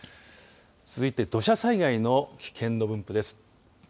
続いて土砂災害の危険度分布です。